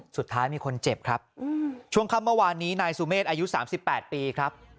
สุดท้ายมีคนเจ็บครับช่วงค่ำเมื่อวานนี้นายสุเมฆอายุ๓๘ปีครับ